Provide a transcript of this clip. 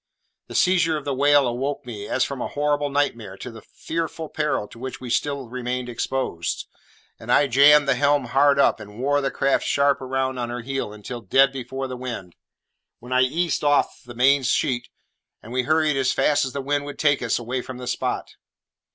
The seizure of the whale awoke me, as from a horrible nightmare, to the fearful peril to which we still remained exposed; and I jammed the helm hard up, and wore the craft sharp round on her heel until dead before the wind, when I eased off the main sheet, and we hurried as fast as the wind would take us away from the spot.